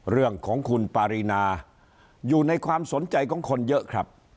เรื่องของคุณปารีนาอยู่ในความสนใจของคนเยอะครับ